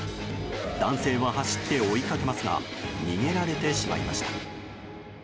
男性は走って追いかけますが逃げられてしまいました。